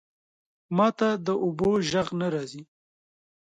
ماته د اوبو ژغ نه راځی